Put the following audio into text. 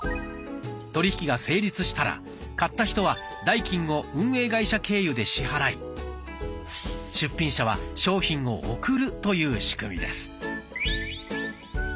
取り引きが成立したら買った人は代金を運営会社経由で支払い出品者は商品を送るという仕組みです。